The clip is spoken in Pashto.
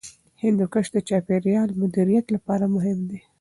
هندوکش د چاپیریال مدیریت لپاره مهم دی.